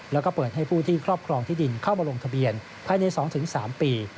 แล้วก็เปิดให้ผู้ที่ครอบครองที่ดินเข้ามาลงทะเบียนภายใน๒๓ปี